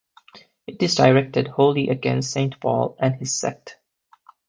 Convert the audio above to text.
It is directed wholly against Saint Paul and his sect.